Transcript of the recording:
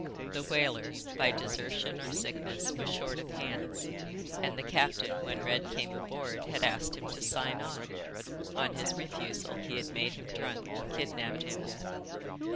The whaler, by desertion or sickness, was short of hands, and the captain when Red came aboard had asked him to sign on; on his refusal he had made him drunk and kidnapped him."